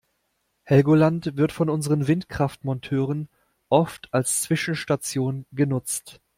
Helgoland wird von unseren Windkraftmonteuren oft als Zwischenstation genutzt.